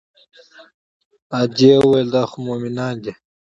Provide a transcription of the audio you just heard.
ادې وويل دا خو مومنان دي.